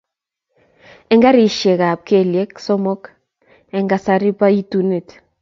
Eng garisiekab kelyek somok eng kasari bo itunet